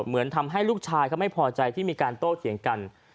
เหมือนทำให้ลูกชายเขาไม่พอใจที่มีการโต้เถียงกัน